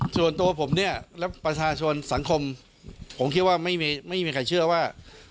ส่วนตัวผมเนี่ยและประชาชนสังคมผมคิดว่าไม่มีใครเชื่อว่า